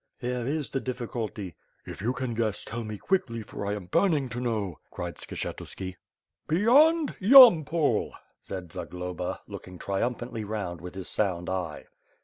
"Here is the difficulty!" "If you can guess, tell me quickly, for I am burning to know," cried Skshetuski. "Beyond Yampol!" said Zagloba, looking triumphantly round with his sound eye.